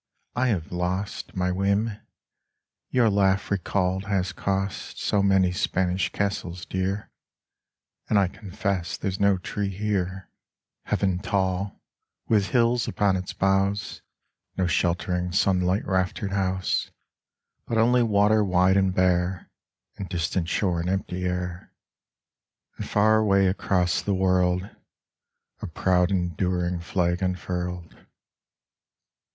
I have lost My whim. Your laugh recalled has cost So many Spanish castles, dear ! And I confess there's no tree here 29 Letter to an Aviator in France Heaven tall, with hills upon its boughs, No sheltering sunlight raftered house, But only water wide and bare, And distant shore and empty air, And far away across the world A proud enduring flag unfurled.